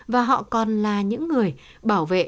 và họ còn là những người bảo vệ